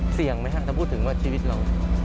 เสี่ยงไหมฮะถ้าพูดถึงว่าชีวิตเรา